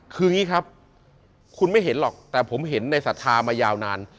คืออย่างนี้ครับคุณไม่เห็นหรอกแต่ผมเห็นในศรัทธามายาวนาน